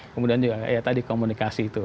kemudian juga ya tadi komunikasi itu